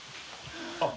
あっ。